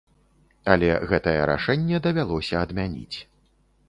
Але гэтае рашэнне давялося адмяніць.